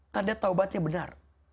tanda taubatnya benar